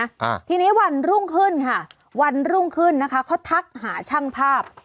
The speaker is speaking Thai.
อ่าทีนี้วันรุ่งขึ้นค่ะวันรุ่งขึ้นนะคะเขาทักหาช่างภาพ